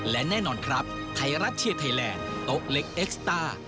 และแน่นอนครับไทยรัฐเชียร์ไทยแลนด์โต๊ะเล็กเอ็กซ์ต้า